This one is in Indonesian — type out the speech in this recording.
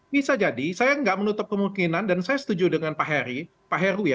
bisa jadi saya nggak menutup kemungkinan dan saya setuju dengan pak heru ya